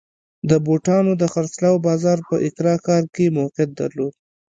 د بوټانو د خرڅلاو بازار په اکرا ښار کې موقعیت درلود.